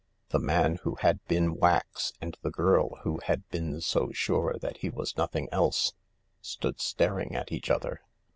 The man who had been wax, and the girl who had been so sure that he was nothing else, stood staring at each other.